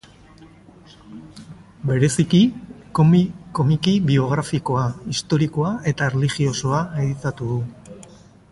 Bereziki Komiki biografikoa, historikoa eta erlijiosoa editatu du.